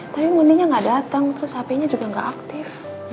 tapi mondinya gak datang terus hp nya juga gak aktif